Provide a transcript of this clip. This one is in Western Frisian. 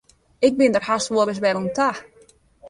Ik bin der hast wolris wer oan ta.